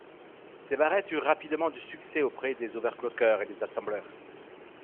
Ces barrettes eurent rapidement du succès auprès des overclockers et des assembleurs.